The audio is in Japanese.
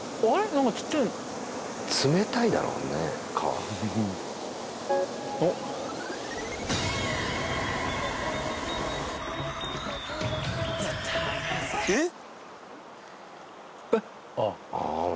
何かちっちゃいの冷たいだろうね川あっえっ？